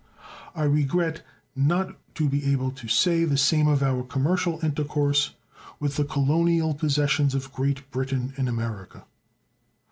I regret not to be able to say the same of our commercial intercourse with the colonial possessions of Great Britain in America.